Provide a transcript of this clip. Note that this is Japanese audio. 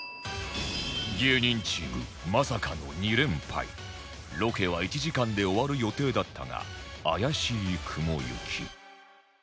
芸人チームまさかの２連敗ロケは１時間で終わる予定だったが怪しい雲行き